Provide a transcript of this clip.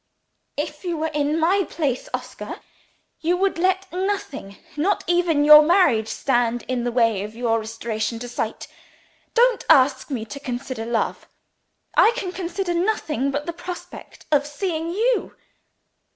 "If you were in my place, Oscar, you would let nothing, not even your marriage, stand in the way of your restoration to sight. Don't ask me to consider, love. I can consider nothing but the prospect of seeing You!"